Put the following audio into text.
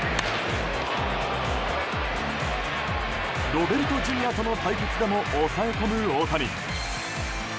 ロベルトＪｒ．との対決でも抑え込む大谷。